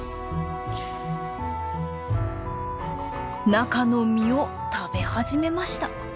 中の実を食べ始めました。